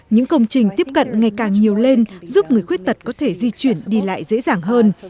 những công trình tiếp cận ngày càng nhiều lên giúp người khuyết tật có thể di chuyển đi lại dễ dàng hơn